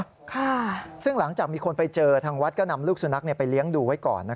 ค่ะซึ่งหลังจากมีคนไปเจอทางวัดก็นำลูกสุนัขไปเลี้ยงดูไว้ก่อน